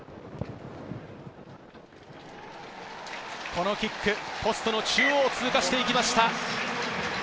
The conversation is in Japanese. このキック、ポストの中央を通過していきました。